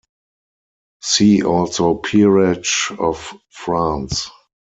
See also Peerage of France.